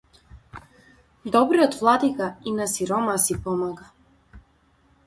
Добриот владика и на сиромаси помага.